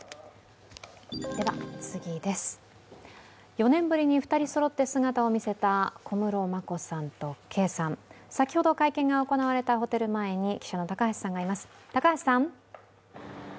４年ぶりに２人そろって姿を見せた小室眞子さんと圭さん、先ほど会見が行われたホテル前に記者の高橋さんがいます。